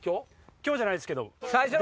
今日じゃないですけど。